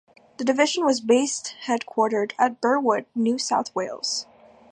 The division was based headquartered at Burwood, New South Wales.